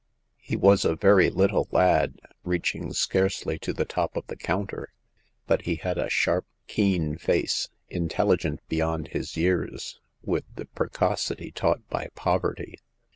He was a very little lad, reaching scarcely to the top of the counter ; but he had a sharp, keen face, intelligent beyond his years with the pre cocity taught by poverty.